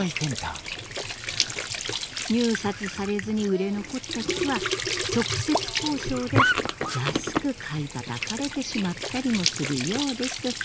入札されずに売れ残った木は直接交渉で安く買いたたかれてしまったりもするようです。